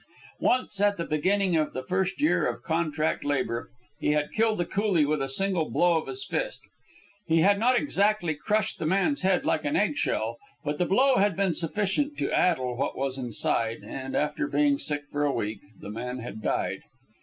Once, at the beginning of the first year of contract labour, he had killed a coolie with a single blow of his fist. He had not exactly crushed the man's head like an egg shell, but the blow had been sufficient to addle what was inside, and, after being sick for a week, the man had died.